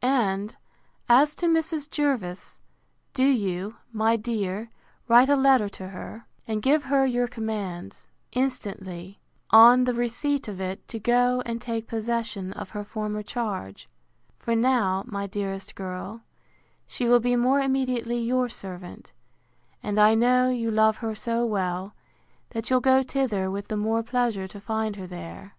And, as to Mrs. Jervis, do you, my dear, write a letter to her, and give her your commands, instantly, on, the receipt of it, to go and take possession of her former charge; for now, my dearest girl, she will be more immediately your servant; and I know you love her so well, that you'll go thither with the more pleasure to find her there.